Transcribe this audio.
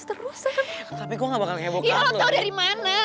lo dari mana sam